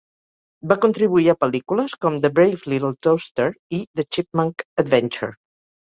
Va contribuir a pel·lícules com "The Brave Little Toaster" i "The Chipmunk Adventure".